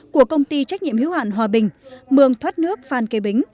của công ty trách nhiệm hiếu hạn hòa bình mường thoát nước phan kế bính